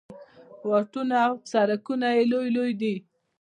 واټونه او سړکونه یې لوی لوی دي.